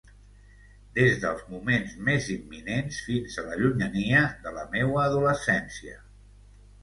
Des dels moments més imminents fins a la llunyania de la meua adolescència.